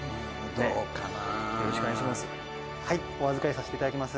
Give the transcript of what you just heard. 右近：「よろしくお願いします」